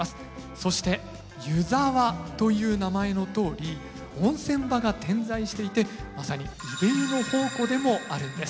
そして「湯沢」という名前のとおり温泉場が点在していてまさにいで湯の宝庫でもあるんです。